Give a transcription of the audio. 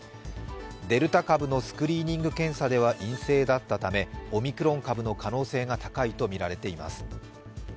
デルタ株のスクリーニング検査では陰性だったためオミクロン株の可能性が高いとみられています。